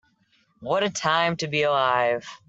What a time to be alive.